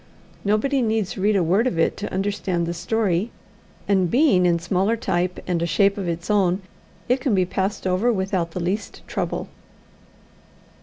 Nobody needs read a word of it to understand the story; and being in smaller type and a shape of its own, it can be passed over without the least trouble.